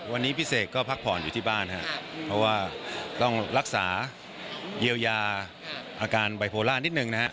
วันนี้พี่เสกก็พักผ่อนอยู่ที่บ้านครับเพราะว่าต้องรักษาเยียวยาอาการไบโพล่านิดนึงนะฮะ